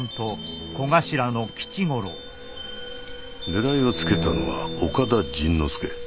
狙いをつけたのは岡田甚之助。